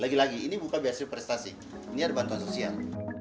lagi lagi ini bukan beasis prestasi ini ada bantuan sosial